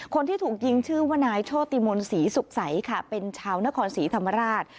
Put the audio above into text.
คนที่ถูกยิงชื่อว่านายโชติมนต์ศรีสุขใสค่ะเป็นชาวนครศรีธรรมราช